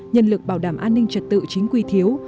nhân lực bảo đảm an ninh trật tự chính quy thiếu